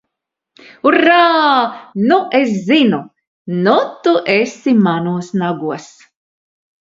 Urā! Nu es zinu! Nu tu esi manos nagos!